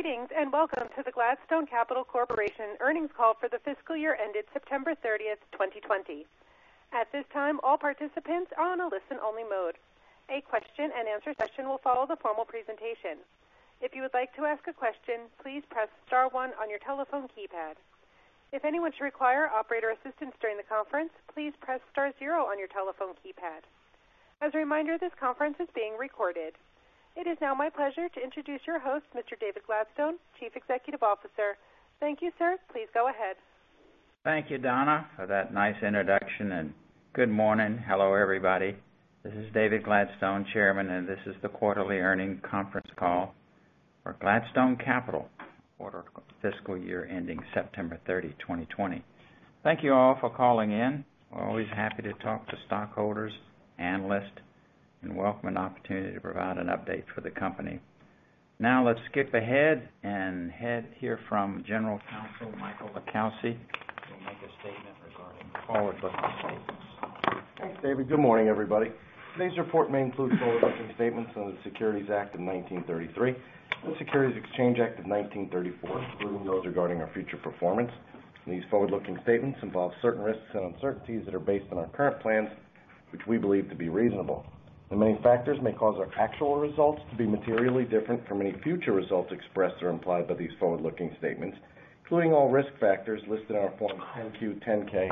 Greetings, and welcome to the Gladstone Capital Corporation Earnings Call for the Fiscal Year ended September 30th, 2020. At this time, all participants are on a listen-only mode. A question-and-answer session will follow the formal presentation. If you would like to ask a question, please press star one on your telephone keypad. If anyone should require operator assistance during the conference, please press star zero on your telephone keypad. As a reminder, this conference is being recorded. It is now my pleasure to introduce your host, Mr. David Gladstone, Chief Executive Officer. Thank you, sir. Please go ahead. Thank you, Donna, for that nice introduction, and good morning. Hello, everybody. This is David Gladstone, Chairman, and this is the Quarterly Earning Conference Call for Gladstone Capital for the Fiscal Year ending September 30, 2020. Thank you all for calling in. We're always happy to talk to stockholders, analysts, and welcome an opportunity to provide an update for the company. Now let's skip ahead and hear from General Counsel Michael LiCalsi. He'll make a statement regarding forward-looking statements. Thanks, David. Good morning, everybody. Today's report may include forward-looking statements under the Securities Act of 1933 and the Securities Exchange Act of 1934, including those regarding our future performance. These forward-looking statements involve certain risks and uncertainties that are based on our current plans, which we believe to be reasonable. Many factors may cause our actual results to be materially different from any future results expressed or implied by these forward-looking statements, including all risk factors listed in our Forms 10-Q, 10-K,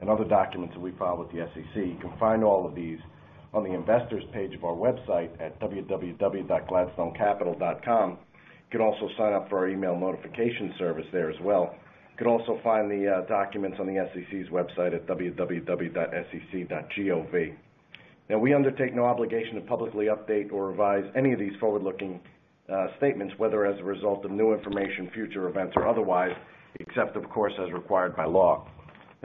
and other documents that we file with the SEC. You can find all of these on the investors page of our website at www.gladstonecapital.com. You can also sign up for our email notification service there as well. You can also find the documents on the SEC's website at www.sec.gov. We undertake no obligation to publicly update or revise any of these forward-looking statements, whether as a result of new information, future events, or otherwise, except of course as required by law.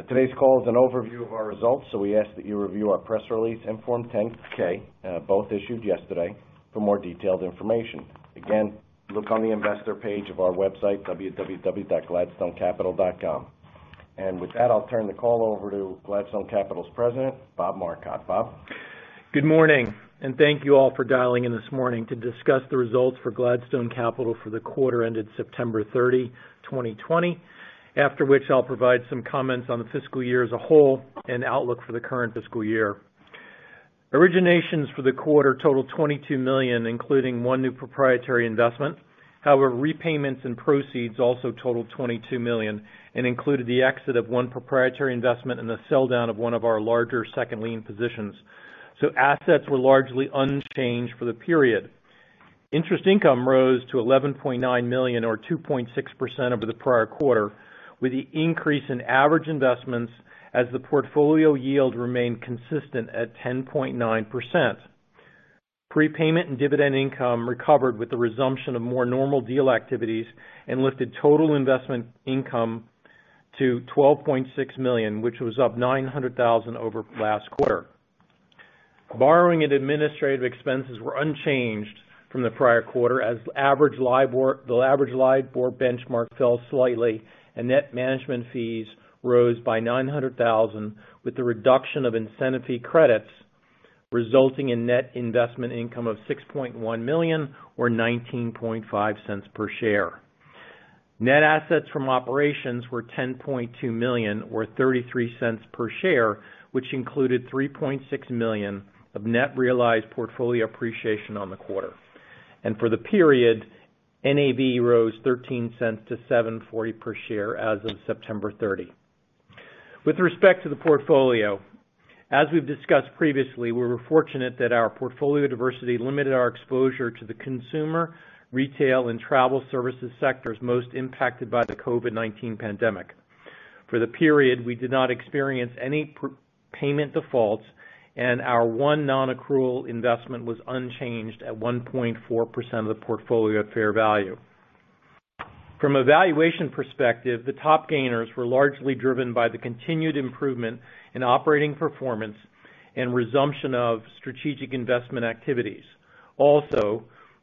Today's call is an overview of our results, so we ask that you review our press release and Form 10-K, both issued yesterday, for more detailed information. Look on the investor page of our website, www.gladstonecapital.com. With that, I'll turn the call over to Gladstone Capital's President, Bob Marcotte. Bob. Good morning, and thank you all for dialing in this morning to discuss the results for Gladstone Capital for the quarter ended September 30, 2020, after which I'll provide some comments on the fiscal year as a whole and outlook for the current fiscal year. Originations for the quarter totaled $22 million, including one new proprietary investment. Repayments and proceeds also totaled $22 million and included the exit of one proprietary investment and the sell-down of one of our larger second lien positions. Assets were largely unchanged for the period. Interest income rose to $11.9 million or 2.6% over the prior quarter, with the increase in average investments as the portfolio yield remained consistent at 10.9%. Prepayment and dividend income recovered with the resumption of more normal deal activities and lifted total investment income to $12.6 million, which was up $900,000 over last quarter. Borrowing and administrative expenses were unchanged from the prior quarter as the average LIBOR benchmark fell slightly and net management fees rose by $900,000 with the reduction of incentive fee credits resulting in net investment income of $6.1 million or $0.195 per share. Net assets from operations were $10.2 million or $0.33 per share, which included $3.6 million of net realized portfolio appreciation on the quarter. For the period, NAV rose $0.13 to $7.40 per share as of September 30. With respect to the portfolio, as we've discussed previously, we were fortunate that our portfolio diversity limited our exposure to the consumer, retail, and travel services sectors most impacted by the COVID-19 pandemic. For the period, we did not experience any prepayment defaults and our one non-accrual investment was unchanged at 1.4% of the portfolio at fair value. From a valuation perspective, the top gainers were largely driven by the continued improvement in operating performance and resumption of strategic investment activities.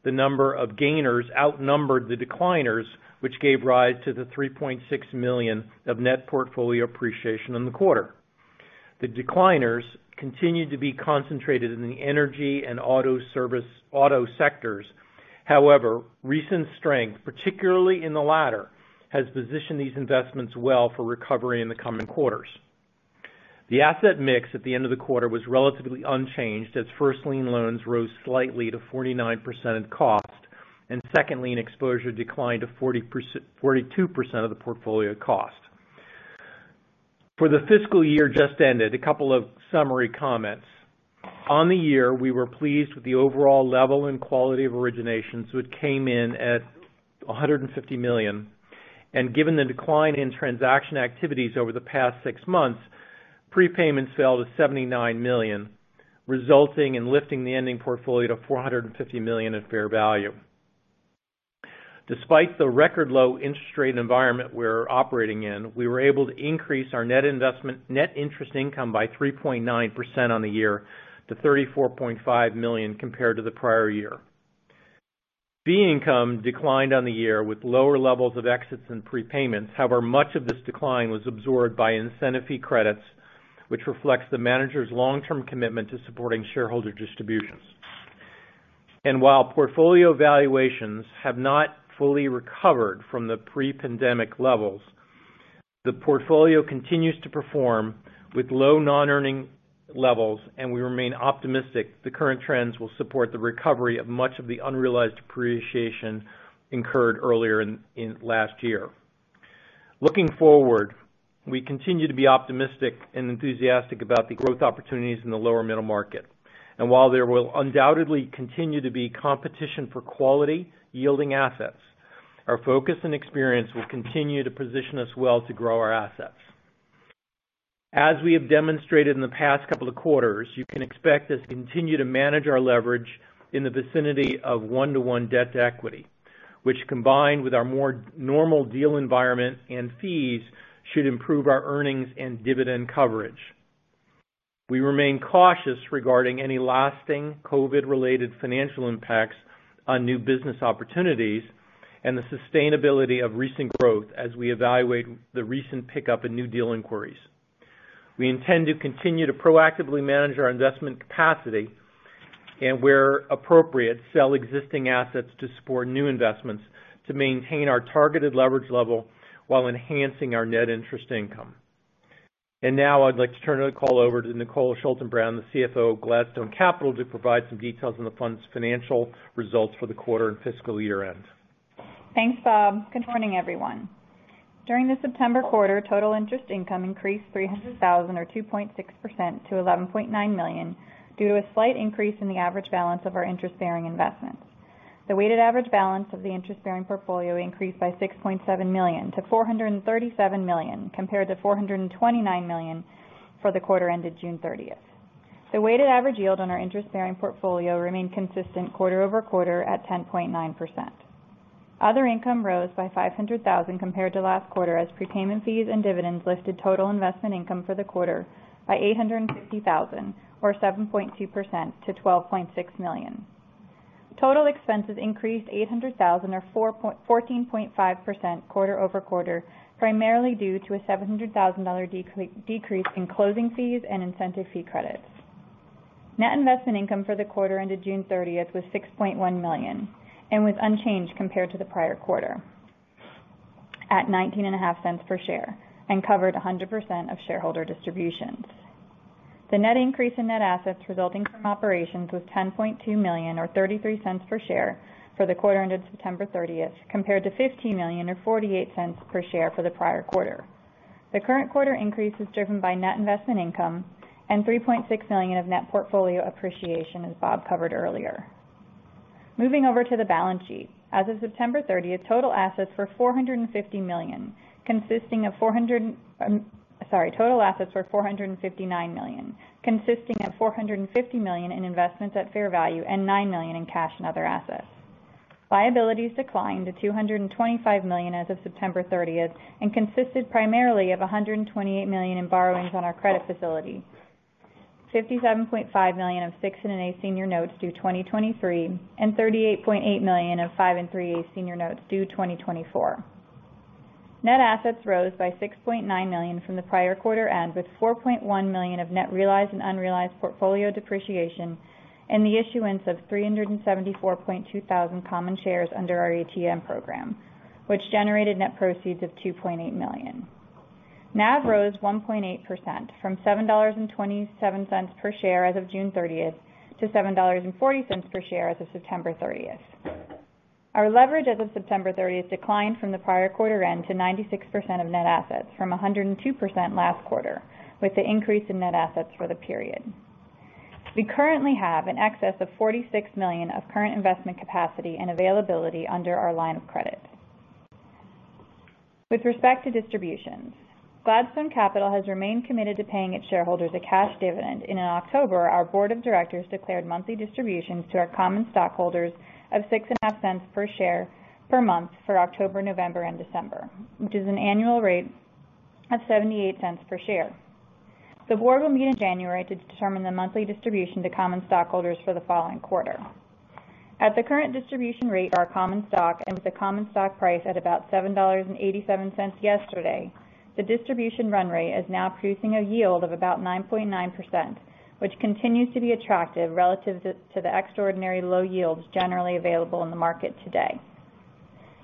The number of gainers outnumbered the decliners, which gave rise to the $3.6 million of net portfolio appreciation in the quarter. The decliners continued to be concentrated in the energy and auto sectors. Recent strength, particularly in the latter, has positioned these investments well for recovery in the coming quarters. The asset mix at the end of the quarter was relatively unchanged as first lien loans rose slightly to 49% of cost, and second lien exposure declined to 42% of the portfolio cost. For the fiscal year just ended, a couple of summary comments. On the year, we were pleased with the overall level and quality of originations, which came in at $150 million. Given the decline in transaction activities over the past six months, prepayments fell to $79 million, resulting in lifting the ending portfolio to $450 million at fair value. Despite the record low interest rate environment we're operating in, we were able to increase our net interest income by 3.9% on the year to $34.5 million compared to the prior year. Fee income declined on the year with lower levels of exits and prepayments. However, much of this decline was absorbed by incentive fee credits, which reflects the manager's long-term commitment to supporting shareholder distributions. While portfolio valuations have not fully recovered from the pre-pandemic levels, the portfolio continues to perform with low non-accrual levels, and we remain optimistic that the current trends will support the recovery of much of the unrealized appreciation incurred earlier in last year. Looking forward, we continue to be optimistic and enthusiastic about the growth opportunities in the lower middle market. While there will undoubtedly continue to be competition for quality yielding assets, our focus and experience will continue to position us well to grow our assets. As we have demonstrated in the past couple of quarters, you can expect us to continue to manage our leverage in the vicinity of 1:1 debt to equity, which combined with our more normal deal environment and fees, should improve our earnings and dividend coverage. We remain cautious regarding any lasting COVID-related financial impacts on new business opportunities and the sustainability of recent growth as we evaluate the recent pickup in new deal inquiries. We intend to continue to proactively manage our investment capacity and, where appropriate, sell existing assets to support new investments to maintain our targeted leverage level while enhancing our net interest income. Now I'd like to turn the call over to Nicole Schaltenbrand, the CFO of Gladstone Capital, to provide some details on the fund's financial results for the quarter and fiscal year-end. Thanks, Bob. Good morning, everyone. During the September quarter, total interest income increased $300,000 or 2.6% to $11.9 million due to a slight increase in the average balance of our interest-bearing investments. The weighted average balance of the interest-bearing portfolio increased by $6.7 million to $437 million, compared to $429 million for the quarter ended June 30th. The weighted average yield on our interest-bearing portfolio remained consistent quarter-over-quarter at 10.9%. Other income rose by $500,000 compared to last quarter, as prepayment fees and dividends lifted total investment income for the quarter by $850,000 or 7.2% to $12.6 million. Total expenses increased $800,000 or 14.5% quarter-over-quarter, primarily due to a $700,000 decrease in closing fees and incentive fee credits. Net investment income for the quarter ended June 30th was $6.1 million and was unchanged compared to the prior quarter at $0.195 per share and covered 100% of shareholder distributions. The net increase in net assets resulting from operations was $10.2 million or $0.33 per share for the quarter ended September 30th, compared to $15 million or $0.48 per share for the prior quarter. The current quarter increase is driven by net investment income and $3.6 million of net portfolio appreciation, as Bob covered earlier. Moving over to the balance sheet. As of September 30th, total assets were $450 million, consisting of Sorry. Total assets were $459 million, consisting of $450 million in investments at fair value and $9 million in cash and other assets. Liabilities declined to $225 million as of September 30th and consisted primarily of $128 million in borrowings on our credit facility, $57.5 million of 6 1/8% senior notes due 2023 and $38.8 million of 5 3/8% senior notes due 2024. Net assets rose by $6.9 million from the prior quarter end with $4.1 million of net realized and unrealized portfolio depreciation and the issuance of 374,200 common shares under our ATM program, which generated net proceeds of $2.8 million. NAV rose 1.8% from $7.27 per share as of June 30th to $7.40 per share as of September 30th. Our leverage as of September 30th declined from the prior quarter end to 96% of net assets from 102% last quarter with the increase in net assets for the period. We currently have in excess of $46 million of current investment capacity and availability under our line of credit. With respect to distributions, Gladstone Capital has remained committed to paying its shareholders a cash dividend. In October, our board of directors declared monthly distributions to our common stockholders of $0.065 per share per month for October, November, and December, which is an annual rate of $0.78 per share. The board will meet in January to determine the monthly distribution to common stockholders for the following quarter. At the current distribution rate of our common stock and with the common stock price at about $7.87 yesterday, the distribution run rate is now producing a yield of about 9.9%, which continues to be attractive relative to the extraordinary low yields generally available in the market today.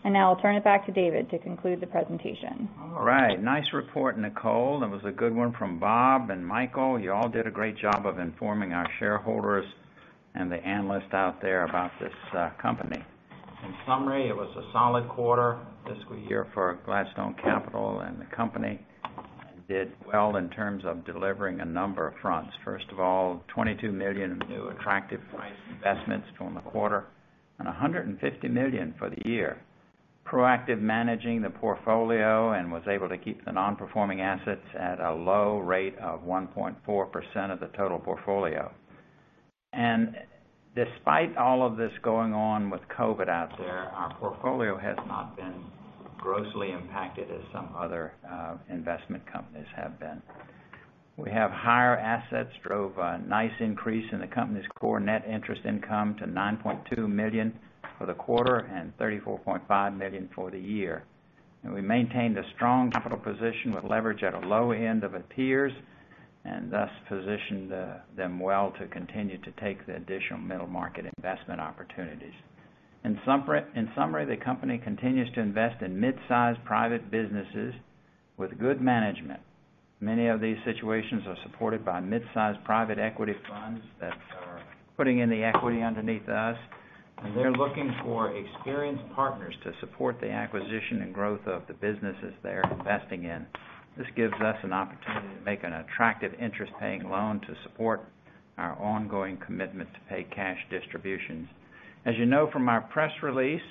Now I'll turn it back to David to conclude the presentation. All right. Nice report, Nicole. That was a good one from Bob and Michael. You all did a great job of informing our shareholders and the analysts out there about this company. In summary, it was a solid quarter fiscal year for Gladstone Capital and the company and did well in terms of delivering a number of fronts. First of all, $22 million of new attractive price investments from the quarter and $150 million for the year. Proactive managing the portfolio and was able to keep the non-performing assets at a low rate of 1.4% of the total portfolio. Despite all of this going on with COVID out there, our portfolio has not been grossly impacted as some other investment companies have been. We have higher assets drove a nice increase in the company's core net interest income to $9.2 million for the quarter and $34.5 million for the year. We maintained a strong capital position with leverage at a low end of its peers. Thus position them well to continue to take the additional middle market investment opportunities. In summary, the company continues to invest in mid-size private businesses with good management. Many of these situations are supported by mid-size private equity funds that are putting in the equity underneath us, and they're looking for experienced partners to support the acquisition and growth of the businesses they're investing in. This gives us an opportunity to make an attractive interest-paying loan to support our ongoing commitment to pay cash distributions. As you know from our press release,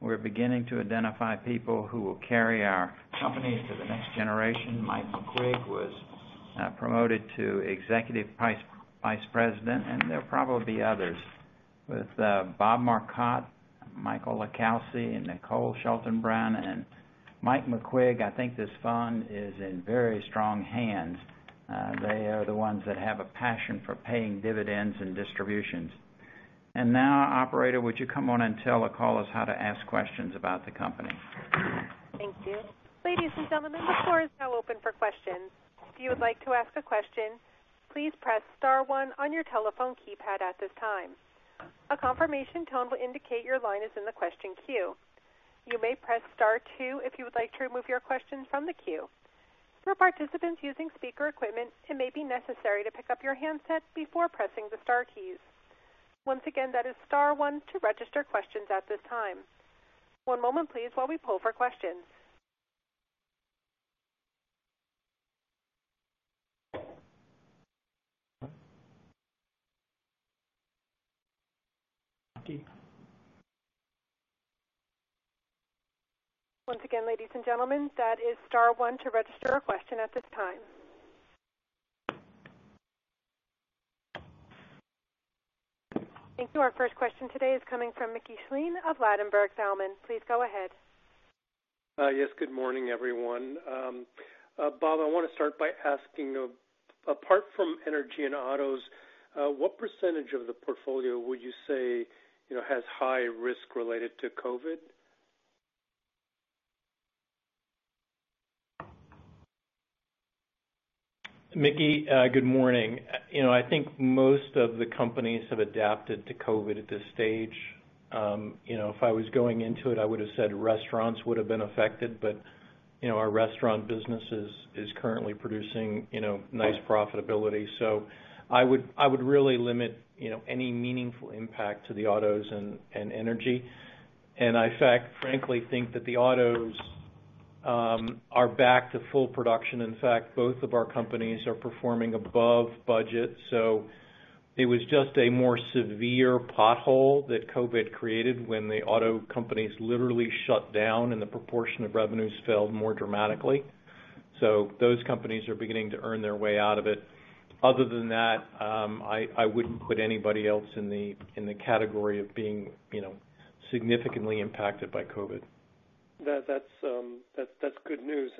we're beginning to identify people who will carry our company to the next generation. Mike McQuigg was promoted to Executive Vice President, and there are probably others. With Bob Marcotte, Michael LiCalsi, and Nicole Schaltenbrand and Mike McQuigg, I think this fund is in very strong hands. They are the ones that have a passion for paying dividends and distributions. Now, operator, would you come on and tell the callers how to ask questions about the company? Our first question today is coming from Mickey Schleien of Ladenburg Thalmann. Please go ahead. Yes. Good morning, everyone. Bob, I want to start by asking, apart from energy and autos, what percentage of the portfolio would you say has high risk related to COVID? Mickey, good morning. I think most of the companies have adapted to COVID at this stage. If I was going into it, I would've said restaurants would have been affected. Our restaurant business is currently producing nice profitability. I would really limit any meaningful impact to the autos and energy. I frankly think that the autos are back to full production. In fact, both of our companies are performing above budget. It was just a more severe pothole that COVID created when the auto companies literally shut down and the proportion of revenues fell more dramatically. Those companies are beginning to earn their way out of it. Other than that, I wouldn't put anybody else in the category of being significantly impacted by COVID. That's good news.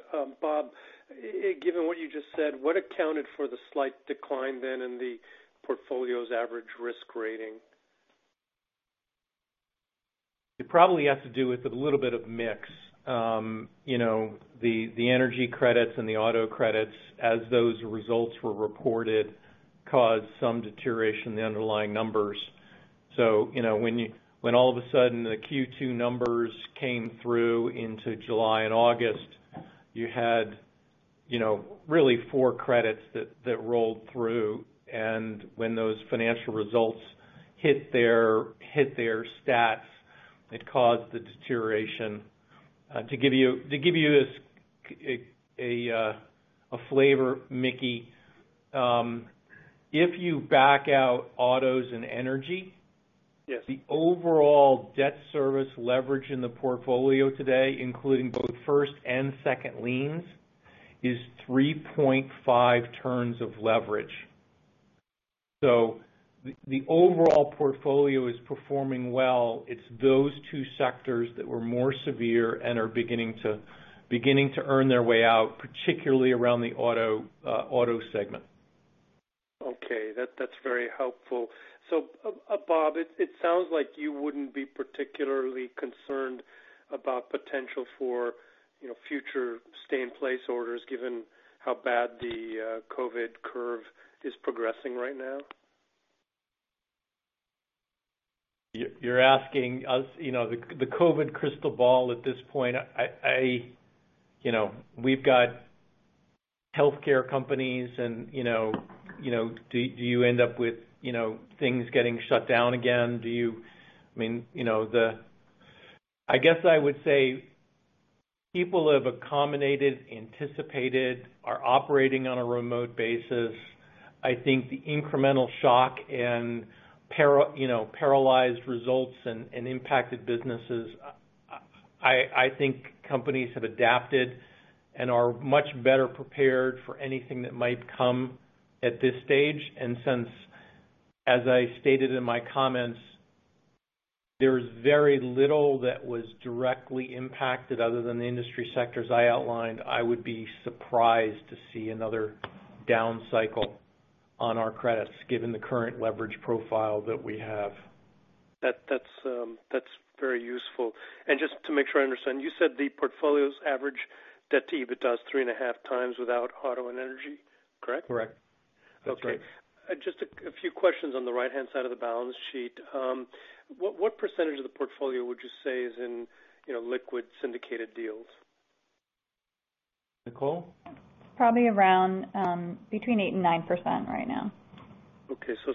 Bob, given what you just said, what accounted for the slight decline then in the portfolio's average risk rating? It probably has to do with a little bit of mix. The energy credits and the auto credits, as those results were reported, caused some deterioration in the underlying numbers. When all of a sudden the Q2 numbers came through into July and August, you had really four credits that rolled through. When those financial results hit their stats, it caused the deterioration. To give you a flavor, Mickey, if you back out autos and energy, the overall debt service leverage in the portfolio today, including both first and second liens, is 3.5 turns of leverage. The overall portfolio is performing well. It's those two sectors that were more severe and are beginning to earn their way out, particularly around the auto segment. Okay. That's very helpful. Bob, it sounds like you wouldn't be particularly concerned about potential for future stay-in-place orders given how bad the COVID curve is progressing right now. You're asking us the COVID crystal ball at this point. We've got healthcare companies and do you end up with things getting shut down again? I guess I would say people have accommodated, anticipated, are operating on a remote basis. I think the incremental shock and paralyzed results and impacted businesses. I think companies have adapted and are much better prepared for anything that might come at this stage. Since, as I stated in my comments, there's very little that was directly impacted other than the industry sectors I outlined. I would be surprised to see another down cycle on our credits, given the current leverage profile that we have. That's very useful. Just to make sure I understand, you said the portfolio's average debt-to-EBITDA is 3.5x without auto and energy, correct? Correct. Just a few questions on the right-hand side of the balance sheet. What percentage of the portfolio would you say is in liquid syndicated deals? Nicole? It's probably around between 8% and 9% right now.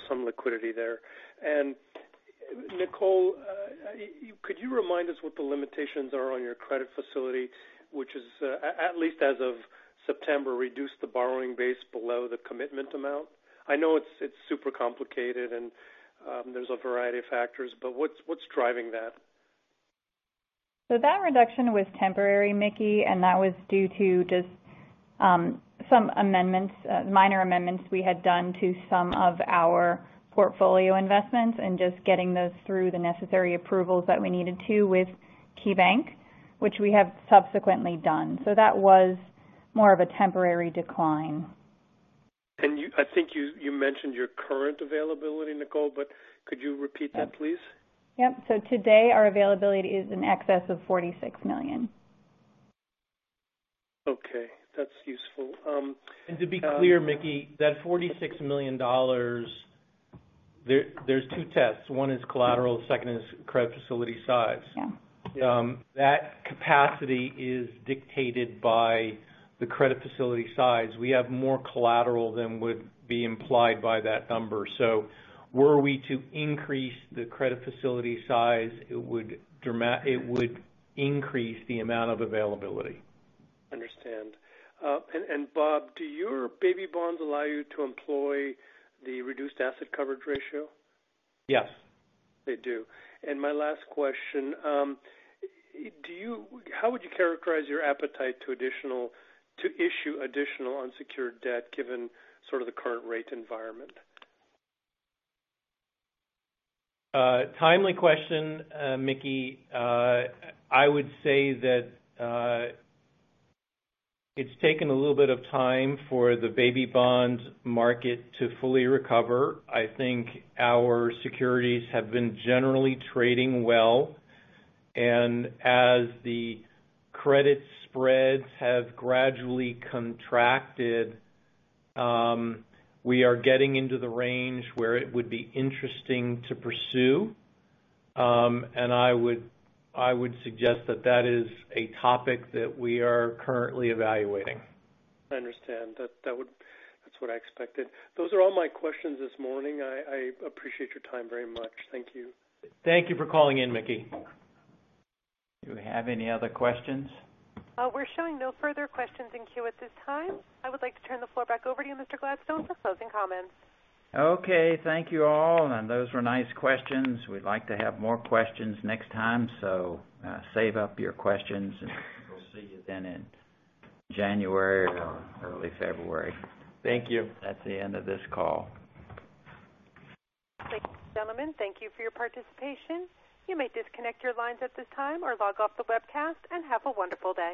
Some liquidity there. Nicole, could you remind us what the limitations are on your credit facility, which is, at least as of September, reduced the borrowing base below the commitment amount? I know it's super complicated, there's a variety of factors, but what's driving that? That reduction was temporary, Mickey, and that was due to just some minor amendments we had done to some of our portfolio investments and just getting those through the necessary approvals that we needed to with KeyBanc, which we have subsequently done. That was more of a temporary decline. I think you mentioned your current availability, Nicole, but could you repeat that, please? Yep. today, our availability is in excess of $46 million. Okay, that's useful. To be clear, Mickey, that $46 million, there's two tests. One is collateral, second is credit facility size. That capacity is dictated by the credit facility size. We have more collateral than would be implied by that number. Were we to increase the credit facility size, it would increase the amount of availability. Understand. Bob, do your baby bonds allow you to employ the reduced asset coverage ratio? Yes. They do. My last question. How would you characterize your appetite to issue additional unsecured debt given sort of the current rate environment? Timely question, Mickey. I would say that it's taken a little bit of time for the baby bonds market to fully recover. I think our securities have been generally trading well. As the credit spreads have gradually contracted, we are getting into the range where it would be interesting to pursue. I would suggest that that is a topic that we are currently evaluating. I understand. That's what I expected. Those are all my questions this morning. I appreciate your time very much. Thank you. Thank you for calling in, Mickey. Do we have any other questions? We're showing no further questions in queue at this time. I would like to turn the floor back over to you, Mr. Gladstone, for closing comments. Okay. Thank you all, and those were nice questions. We'd like to have more questions next time, so save up your questions, and we'll see you then in January or early February. Thank you. That's the end of this call. Thank you, gentlemen. Thank you for your participation. You may disconnect your lines at this time or log off the webcast, and have a wonderful day.